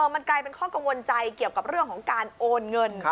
มันกลายเป็นข้อกังวลใจเกี่ยวกับเรื่องของการโอนเงิน